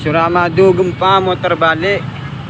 surama dugung pamuk terbalik